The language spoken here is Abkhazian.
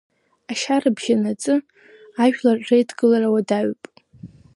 Ашьа рыбжьанаҵы ажәлар реидкылара уадаҩуп.